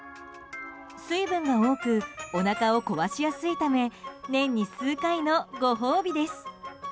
水分が多くおなかを壊しやすいため年に数回のご褒美です。